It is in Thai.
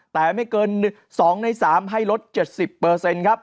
แต่ไม่เกิน๒ใน๓ให้ลด๗๐ครับ